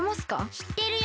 しってるよ。